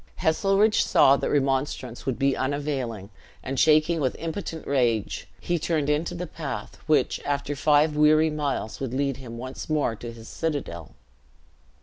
Heselrigge saw that remonstrance would be unavailing; and shaking with impotent rage, he turned into the path which, after five weary miles, would lead him once more to his citadel.